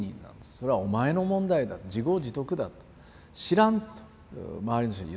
「それはお前の問題だ自業自得だ知らん」と周りの人に言った。